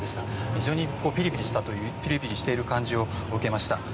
非常にピリピリしている感じを受けました。